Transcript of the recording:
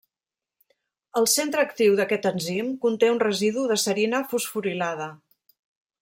El centre actiu d'aquest enzim conté un residu de serina fosforilada.